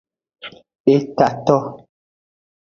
Etato.